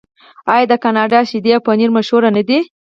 آیا د کاناډا شیدې او پنیر مشهور نه دي؟